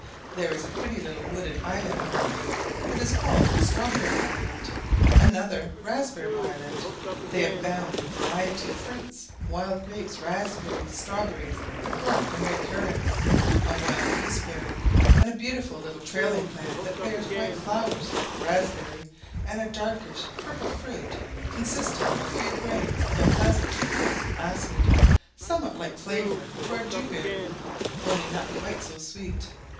There is a pretty little wooded islet on our lake, that is called Strawberry island, another Raspberry island; they abound in a variety of fruits wild grapes, raspberries, strawberries, black and red currants, a wild gooseberry, and a beautiful little trailing plant that bears white flowers like the raspberry, and a darkish purple fruit consisting of a few grains of a pleasant brisk acid, somewhat like in flavour to our dewberry, only not quite so sweet.